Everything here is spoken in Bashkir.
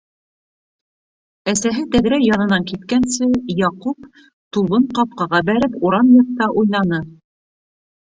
Әсәһе тәҙрә янынан киткәнсе, Яҡуп, тубын ҡапҡаға бәреп, урам яҡта уйнаны.